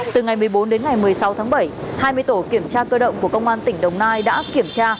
từ ngày một mươi bốn đến ngày một mươi sáu tháng bảy hai mươi tổ kiểm tra cơ động của công an tỉnh đồng nai đã kiểm tra